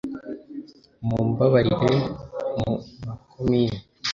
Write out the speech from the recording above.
mumbabarire mu makomini' ..